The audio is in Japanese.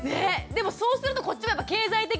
でもそうするとこっちも経済的にもね。